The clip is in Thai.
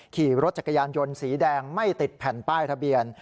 ขี่รถจักรยานยนต์สีแดงไม่ติดแผ่นป้ายทะเบียน